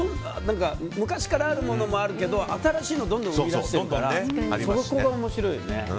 昔からあるものもあるけど新しいものをどんどん売り出してるからそこが面白いよね。